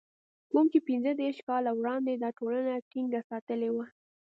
کوم چې پنځه دېرش کاله وړاندې دا ټولنه ټينګه ساتلې وه.